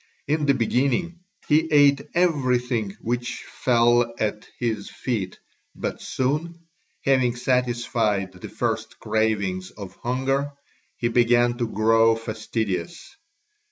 In the beginning he ate everything which fell at his feet, but soon, having satisfied the first cravings of hunger, he began to grow fastidious.